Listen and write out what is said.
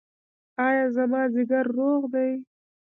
ایا زما ځیګر روغ دی؟